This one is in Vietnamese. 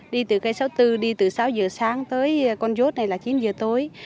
đi từ cây sáu mươi bốn đi từ sáu giờ sáng tới côn rốt này là chín giờ tối